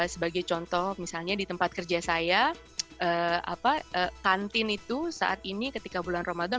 sebagai contoh misalnya di tempat kerja saya kantin itu saat ini ketika bulan ramadan